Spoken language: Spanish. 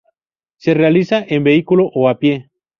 Se realiza en vehículo, o a pie.